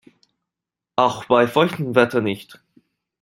Auch bei feuchtem Wetter nicht.